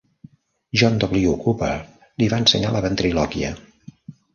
John W. Cooper li va ensenyar la ventrilòquia.